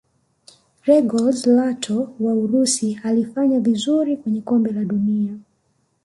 gregorz lato wa urusi alifanya vizuri kwenye kombe la dunia